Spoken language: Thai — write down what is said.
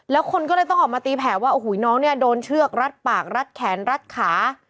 แล้วคนก็เลยต้องออกมาตีแผลว่าโอ้โหน้องเนี่ยโดนเชือกรัดปากรัดแขนรัดขา